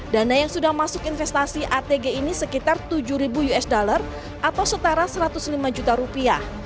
dana yang sudah masuk investasi atg ini sekitar tujuh ribu usd atau setara satu ratus lima juta rupiah